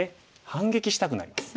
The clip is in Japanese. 反撃したくなります。